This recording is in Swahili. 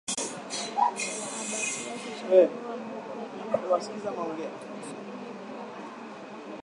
Abatiaki chandarua mupya kama auja itosha inje